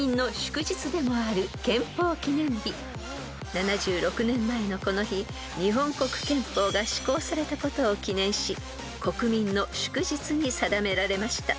［７６年前のこの日日本国憲法が施行されたことを記念し国民の祝日に定められました］